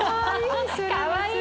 かわいい。